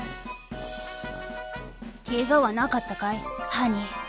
ケガはなかったかいハニー。